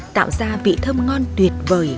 tạo ra vị thơm ngon tuyệt vời